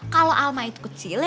kalau alma itu kecil ya kan